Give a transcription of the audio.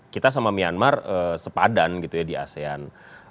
kita sama myanmar sepadan gitu ya di asean